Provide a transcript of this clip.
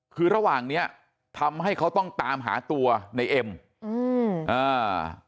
คือระหว่างเนี้ยทำให้เขาต้องตามหาตัวในเอ็มอืมอ่า